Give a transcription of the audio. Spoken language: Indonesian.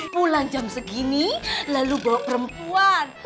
pulang jam segini lalu bawa perempuan